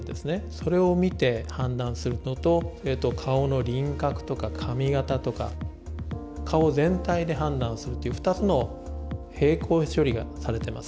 それを見て判断するのと顔の輪郭とか髪形とか顔を全体で判断するっていう２つの並行処理がされてます。